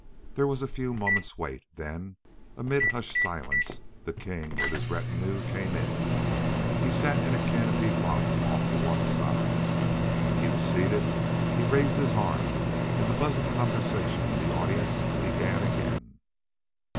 There was a few moments wait, then, amid hushed silence, the king with his retinue came in. He sat in a canopied box off to one side. When he was seated, he raised his arm and the buzz of conversation in the audience began again.